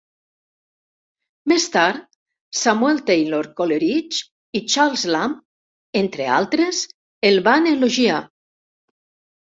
Més tard, Samuel Taylor Coleridge i Charles Lamb, entre altres, el van elogiar.